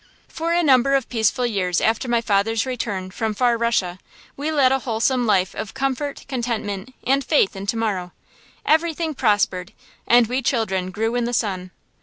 For a number of peaceful years after my father's return from "far Russia," we led a wholesome life of comfort, contentment, and faith in to morrow. Everything prospered, and we children grew in the sun.